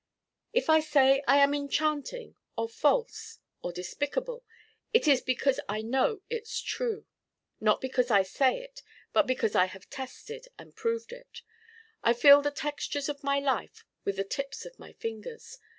If I say I am enchanting or false or despicable it is because I know it's true. Not because I say it but because I have tested and proved it. I feel the textures of my life with the tips of my fingers.